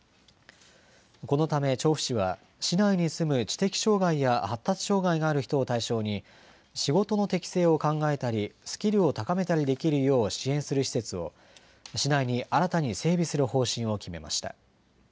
このため、調布市は市内に住む知的障害や発達障害がある人を対象に、仕事の適性を考えたり、スキルを高めたりできるよう支援する施設を、市内に新たに整備する方針を決めました。